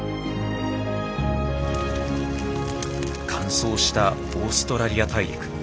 乾燥したオーストラリア大陸。